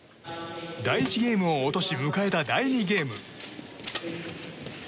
第１ゲームを落とし迎えた第２ゲーム。